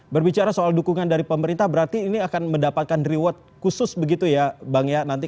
berbicara soal dukungan dari pemerintah berarti ini akan mendapatkan reward khusus begitu ya bang ya nanti